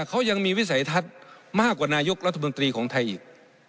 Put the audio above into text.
เขายังมีวิสัยทัศน์มากกว่านายกรัฐมนตรีของไทยอีก